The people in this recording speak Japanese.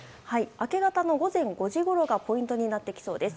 明け方の午前５時ごろがポイントになってきそうです。